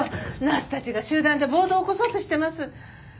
ナースたちが集団で暴動を起こそうとしてます。